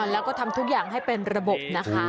แล้วก็ทำทุกอย่างให้เป็นระบบนะคะ